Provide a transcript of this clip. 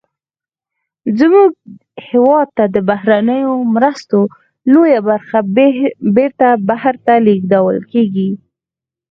زمونږ هېواد ته د بهرنیو مرستو لویه برخه بیرته بهر ته لیږدول کیږي.